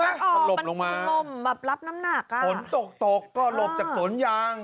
มันคือลมแบบรับน้ำหน้าก้าฝนตกก็หลบจากสนยาง